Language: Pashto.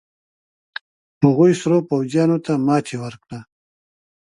هغوې سرو پوځيانو ته ماتې ورکړه.